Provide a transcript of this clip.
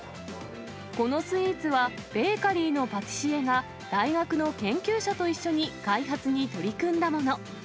このスイーツはベーカリーのパティシエが、大学の研究者と一緒に開発に取り組んだもの。